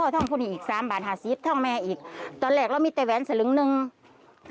ตอนแรกเรามีแต่แหวน๑๙๒บาท